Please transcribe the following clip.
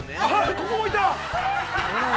◆ここもいた！？